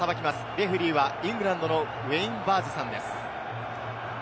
レフェリーはイングランドのウェイン・バーンズさんです。